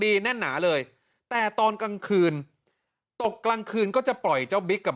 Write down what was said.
แน่นหนาเลยแต่ตอนกลางคืนตกกลางคืนก็จะปล่อยเจ้าบิ๊กกับ